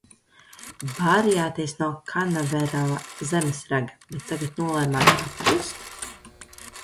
Vārījāties no Kanaverala zemesraga, bet tagad nolēmāt apklust?